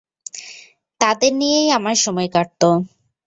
তাদের নিয়েই আমার সময় কাটত।